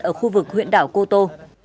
ở khu vực huyện đảo cô tô